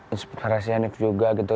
inspirasi hanif juga gitu